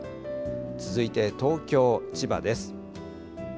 続いて東京、千葉です。